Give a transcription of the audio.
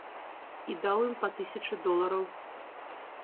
І даў ім па тысячы долараў.